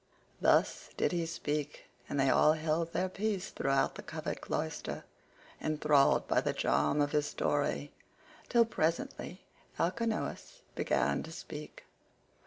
Thus did he speak, and they all held their peace throughout the covered cloister, enthralled by the charm of his story, till presently Alcinous began to speak.